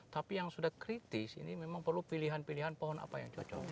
tapi yang sudah kritis ini memang perlu pilihan pilihan pohon apa yang cocok